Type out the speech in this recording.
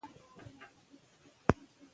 ویل بوه سوم.